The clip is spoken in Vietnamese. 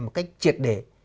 một cách triệt để